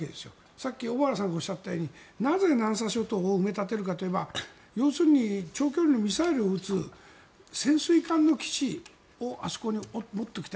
さっき小原さんがおっしゃったみたいになぜ南沙諸島を埋め立てるかといえば長距離のミサイルを撃つ潜水艦の基地をあそこに持っておきたい。